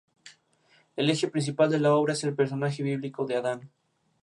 El eje principal de la obra es el personaje bíblico de Adán.